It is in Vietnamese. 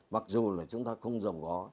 mặc dù là chúng ta không giàu ngó